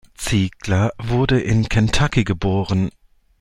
Ziegler wurde in Kentucky geboren.